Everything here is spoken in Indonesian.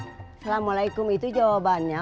assalamualaikum itu jawabannya